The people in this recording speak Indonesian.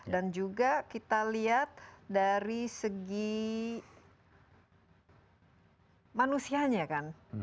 dan juga kita lihat dari segi manusianya kan